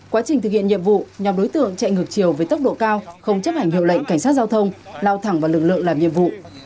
quá trình thực hiện nhiệm vụ nhóm đối tượng chạy ngược chiều với tốc độ cao không chấp hành hiệu lệnh cảnh sát giao thông lao thẳng vào lực lượng làm nhiệm vụ